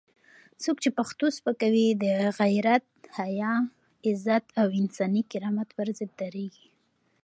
څوک چې پښتو سپکوي، د غیرت، حیا، عزت او انساني کرامت پر ضد درېږي.